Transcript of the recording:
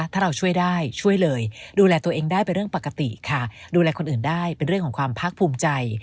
ถ้าเราช่วยได้ช่วยเลยดูแลตัวเองได้เป็นเรื่องปกติค่ะดูแลคนอื่นได้เป็นเรื่องของความภาคภูมิใจ